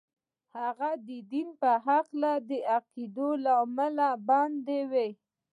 هغه د دين په هکله د عقايدو له امله بندي و.